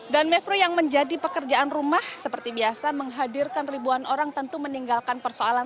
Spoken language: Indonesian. dan mevru yang menjadi pekerjaan rumah seperti biasa menghadirkan ribuan orang tentu meninggalkan persoalan